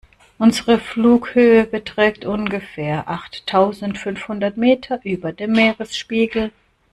Unsere Flughöhe beträgt ungefähr achttausendfünfhundert Meter über dem Meeresspiegel.